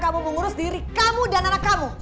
kamu mengurus diri kamu dan anak kamu